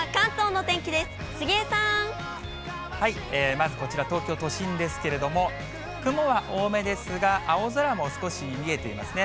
まずこちら、東京都心ですけれども、雲は多めですが、青空も少し見えていますね。